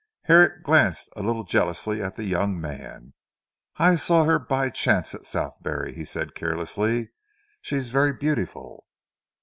Herrick glanced a little jealously at the young man. "I saw her by chance at Southberry," he said carelessly, "she is very beautiful."